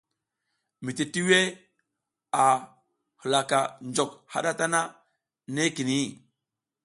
Mititiwo a halaka njok haɗa tana nekini.